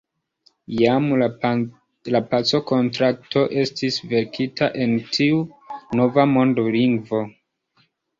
Jam la pacokontrakto estis verkita en tiu nova mondolingvo.